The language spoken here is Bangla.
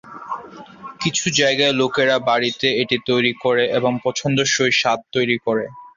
কিছু জায়গায় লোকেরা বাড়িতে এটি তৈরি করে এবং পছন্দসই স্বাদ তৈরি করে।